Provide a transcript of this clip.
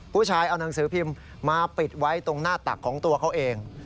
ผู้ชายเอานังสือพิมพ์มาปิดไว้ตรงหน้าตักของตัวเขาเอง